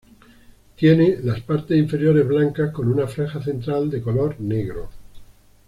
Tiene las partes inferiores blancas con una franja central de color negro.